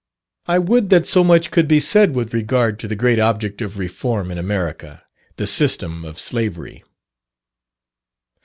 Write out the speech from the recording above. I would that so much could be said with regard to the great object of reform in America the system of slavery!